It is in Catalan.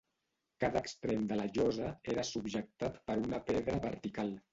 Cada extrem de la llosa era subjectat per una pedra vertical.